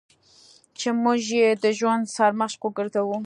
چې موږ یې د ژوند سرمشق وګرځوو.